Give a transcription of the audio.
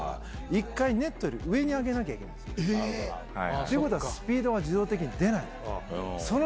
１回、ネットより上に上げなきゃえー！ということは、スピードが自動的に出ない。